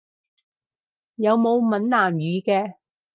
有冇閩南語嘅？